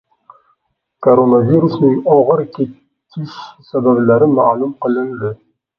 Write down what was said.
Koronavirusning og‘ir kechish sabablari ma’lum qilindi